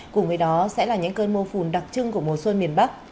cùng với đó sẽ là những cơn mưa phùn đặc trưng của mùa xuân miền bắc